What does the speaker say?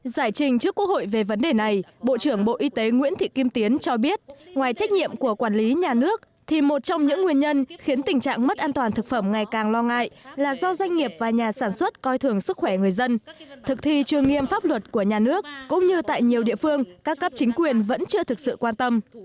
giải trình trước quốc hội về vấn đề này bộ trưởng bộ y tế nguyễn thị kim tiến cho biết ngoài trách nhiệm của quản lý nhà nước thì một trong những nguyên nhân khiến tình trạng mất an toàn thực phẩm ngày càng lo ngại là do doanh nghiệp và nhà sản xuất coi thường sức khỏe người dân thực thi trường nghiêm pháp luật của nhà nước cũng như tại nhiều địa phương các cấp chính quyền vẫn chưa thực sự quan tâm